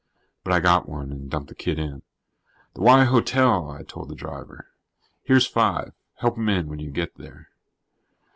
But I got one and dumped the kid in. "The Y Hotel," I told the driver. "Here's five. Help him in when you get there."